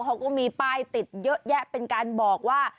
เขาก็มีป้ายติดเยอะแยะเป็นการบอกว่า